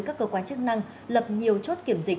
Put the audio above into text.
các cơ quan chức năng lập nhiều chốt kiểm dịch